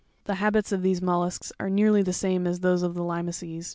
'The habits of these mollusks are nearly the same as those of the limaces.